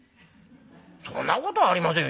「そんなことはありませんよ」。